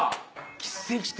奇跡的。